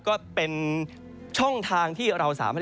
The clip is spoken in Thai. ก็เป็นช่องทางที่เรา